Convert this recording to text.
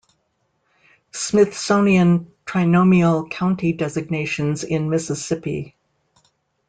Smithsonian Trinomial county designations in Mississippi.